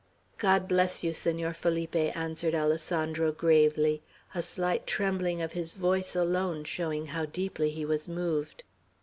"God bless you, Senor Felipe," answered Alessandro, gravely, a slight trembling of his voice alone showing how deeply he was moved.